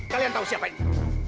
kalian tahu siapa ini